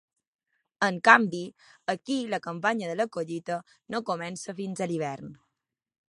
En canvi, aquí la campanya de la collita no comença fins a l’hivern.